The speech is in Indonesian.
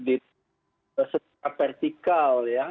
di setiap vertikal ya